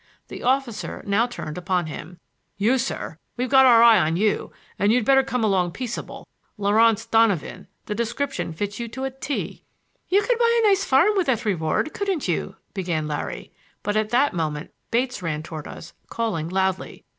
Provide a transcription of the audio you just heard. The officer now turned upon him. "You, sir,—we've got our eye on you, and you'd better come along peaceable. Laurance Donovan—the description fits you to a 't'." "You could buy a nice farm with that reward, couldn't you—" began Larry, but at that moment Bates ran toward us calling loudly.